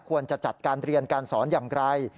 ควรจะจัดการเรียนการสอนอย่างไร